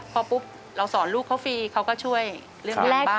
พอปุ๊บเราสอนลูกเขาฟรีเขาก็ช่วยเรื่องลูกบ้าน